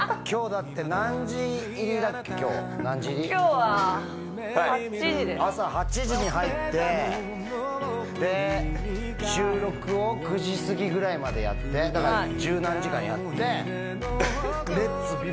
今日は８時です朝８時に入ってで収録を９時過ぎぐらいまでやってだから十何時間やってレッツ！